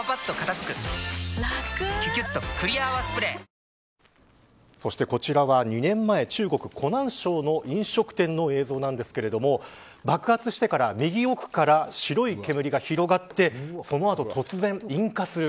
「メリットＤＡＹ＋」そしてこちらは、２年前中国、湖南省の飲食店の映像なんですけれども爆発してから右奥から白い煙が広がってその後、突然引火する